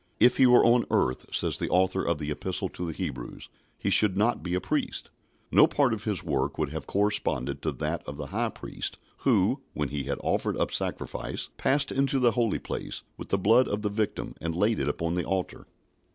"If he were on earth," says the author of the Epistle to the Hebrews, "he should not be a priest." No part of His work would have corresponded to that of the high priest, who, when he had offered up sacrifice, passed into the holy place with the blood of the victim, and laid it upon the altar.